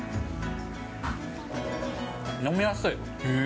飲みやすい。